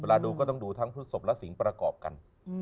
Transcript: ดูก็ต้องดูทั้งพฤศพและสิงประกอบกัน